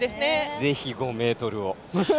ぜひ、５ｍを。